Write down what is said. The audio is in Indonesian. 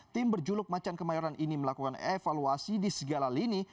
tim berjuluk macan kemayoran ini melakukan evaluasi di segala lini